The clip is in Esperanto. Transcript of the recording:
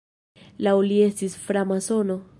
Laŭ li estis framasono.